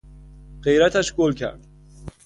غیرتش گل کرد.